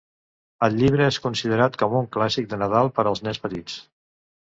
El llibre és considerat com un clàssic de Nadal per als nens petits.